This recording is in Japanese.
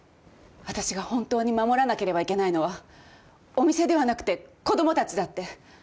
あたしが本当に守らなければいけないのはお店ではなくて子供たちだって。